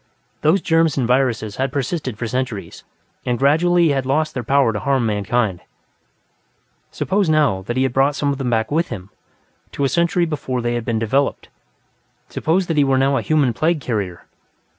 Those germs and viruses had persisted for centuries, and gradually had lost their power to harm mankind. Suppose, now, that he had brought some of them back with him, to a century before they had been developed. Suppose, that was, that he were a human plague carrier.